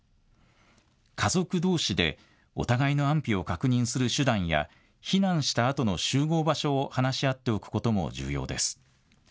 家族どうしでお互いの安否を確認する手段や、避難したあとの集合場所を話し合っておくことも重要です。